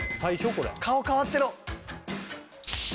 これ顔変わってろ！